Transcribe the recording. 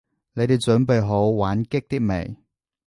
你哋準備好玩激啲未？